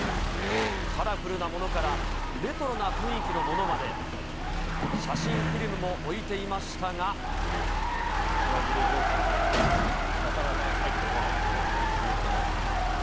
カラフルなものからレトロな雰囲気のものまで、写真フィルムも置品切れ状態で、なかなか入ってこないっていうのが続いてますね。